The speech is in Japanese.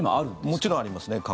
もちろんありますね。